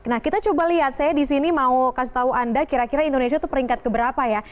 nah kita coba lihat saya disini mau kasih tahu anda kira kira indonesia itu peringkat keberapa ya